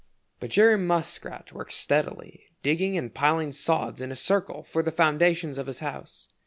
But Jerry Muskrat worked steadily, digging and piling sods in a circle for the foundation of his house.